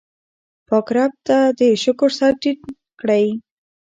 پاک رب ته د شکر سر ټیټ کړئ.